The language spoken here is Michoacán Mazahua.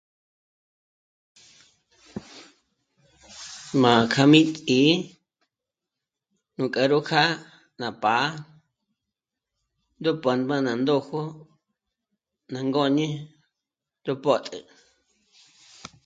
M'a kjá mí t'ǐ'i nú nkáro kjâ'a ná pá'a ró pámba ná ndójo ná ngôñi yó pö̀'të